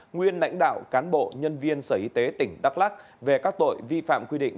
nguyên lãnh đạo cán bộ nhân viên sở y tế tỉnh đắk lắc về các tội vi phạm quy định